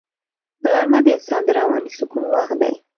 غرمه د انسان د رواني سکون وخت دی